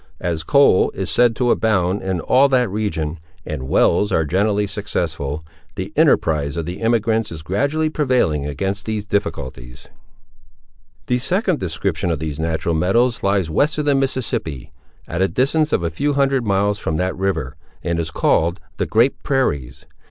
As coal is said to abound in all that region, and wells are generally successful, the enterprise of the emigrants is gradually prevailing against these difficulties. The second description of these natural meadows lies west of the Mississippi, at a distance of a few hundred miles from that river, and is called the Great Prairies.